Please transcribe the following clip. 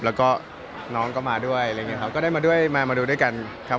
และน้องก็มาด้วยได้มาดูด้วยกันครับ